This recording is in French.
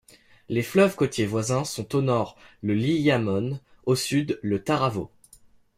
Les fleuves côtiers voisins sont au nord le Liamone, au sud le Taravo.